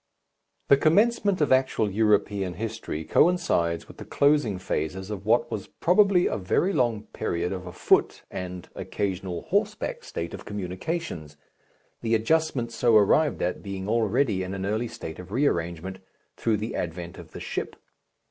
The commencement of actual European history coincides with the closing phases of what was probably a very long period of a foot and (occasional) horseback state of communications; the adjustments so arrived at being already in an early state of rearrangement through the advent of the ship.